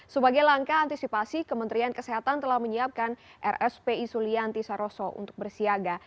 sebagai langkah antisipasi kementerian kesehatan telah menyiapkan rspi sulianti saroso untuk bersiaga